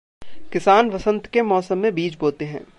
किसान वसन्त के मौसम में बीज बोते हैं।